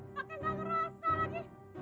pakai gak ngerasa lagi